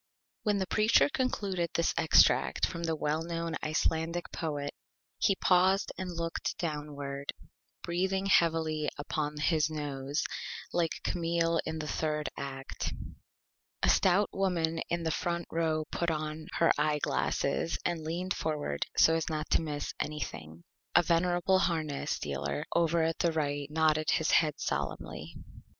When the Preacher concluded this Extract from the Well Known Icelandic Poet he paused and looked downward, breathing heavily through his Nose, like Camille in the Third Act. A Stout Woman in the Front Row put on her Eye Glasses and leaned forward so as not to miss Anything. A Venerable Harness Dealer over at the Right nodded his Head solemnly.